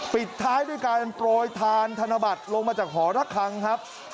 ปิดท้ายด้วยการโปรยทานธนบัตรลงมาจากหอระคังครับ